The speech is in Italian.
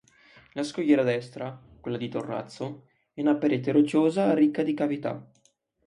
La scogliera destra, quella di Torrazzo, è una parete rocciosa ricca di cavità.